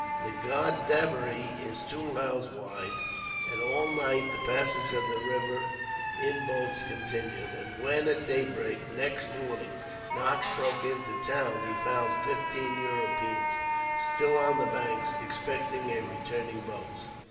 The Godavery is two miles wide, and all night the passage of the river in boats continued; and when, at daybreak next morning, Knox broke into the town, he found fifteen Europeans still on the banks, expecting a returning boat.